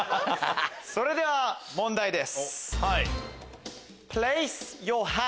それでは問題です。